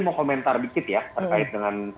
mau komentar dikit ya terkait dengan